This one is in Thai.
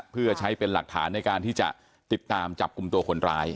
เพื่อใช้เป็นหลักฐานในการที่จะติดตามจับกลุ่มตัวคนร้าย